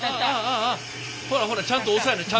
ほらほらちゃんと押さえなちゃんと。